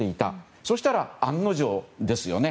そうしたら案の定ですよね。